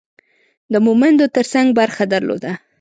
د مومندو ترڅنګ برخه درلوده.